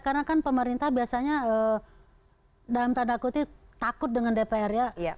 karena kan pemerintah biasanya dalam tanda kutip takut dengan dpr ya